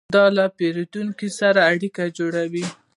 دا له پیرودونکو سره اړیکه جوړوي.